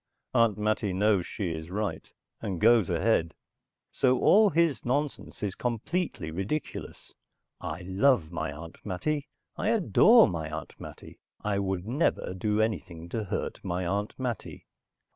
Aunt Mattie knows she is right, and goes ahead. So all his nonsense is completely ridiculous. I love my Aunt Mattie. I adore my Aunt Mattie. I would never do anything to hurt my Aunt Mattie.